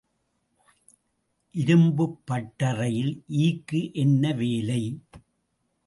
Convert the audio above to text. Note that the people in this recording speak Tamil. இரும்புப் பட்டறையில் ஈக்கு என்ன வேலை?